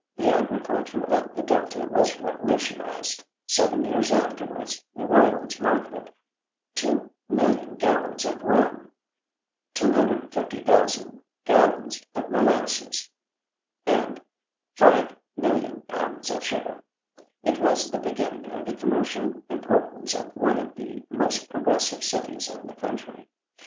The agriculture of the Delta was revolutionized; seven years afterwards New Orleans marketed 2,000,000 gallons of rum, 250,000 gallons of molasses, and 5,000,000 pounds of sugar. It was the beginning of the commercial importance of one of the most progressive cities in the country.